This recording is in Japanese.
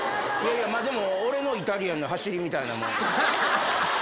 でも、俺のイタリアンの走りみたいなもん。